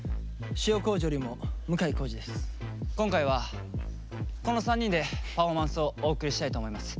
今回はこの３人でパフォーマンスをお送りしたいと思います。